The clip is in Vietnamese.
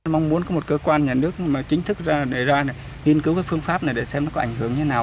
mong muốn có một cơ quan nhà nước mà chính thức ra đề ra này nghiên cứu cái phương pháp này để xem nó có ảnh hưởng như thế nào